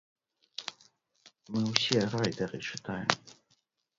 Мы ўсе райдары чытаем.